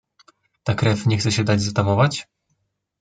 "Ta krew nie chce się dać zatamować?"